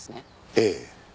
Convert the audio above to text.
ええ。